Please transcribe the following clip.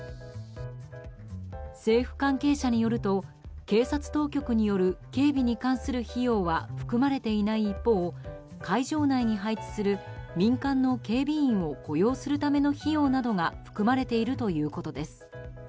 政府関係者によると警察当局による警備に関する費用は含まれていない一方会場内に配置する民間の警備員を雇用するための費用などが含まれているということです。